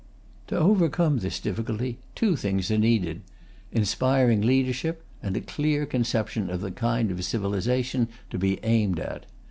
To overcome this difficulty, two things are needed: inspiring leadership, and a clear conception of the kind of civilization to be aimed at.